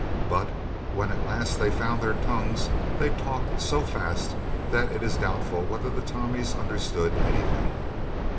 but when at last they found their tongues, they talked so fast that it is doubtful whether the Tommies understood anything.